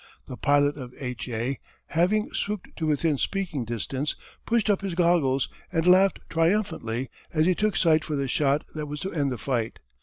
The pilot of H. A., having swooped to within speaking distance, pushed up his goggles, and laughed triumphantly as he took sight for the shot that was to end the fight.